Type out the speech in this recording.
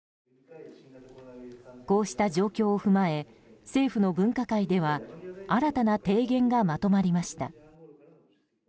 こうした状況を踏まえ政府の分科会では新たな提言がまとまりました。